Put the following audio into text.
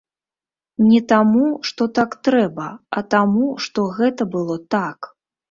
Не таму, што так трэба, а таму, што гэта было так.